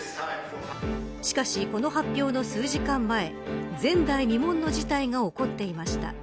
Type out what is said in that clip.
しかし、この発表の数時間前前代未聞の事態が起こっていました。